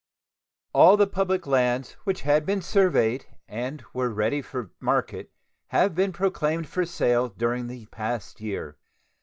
All the public lands which had been surveyed and were ready for market have been proclaimed for sale during the past year.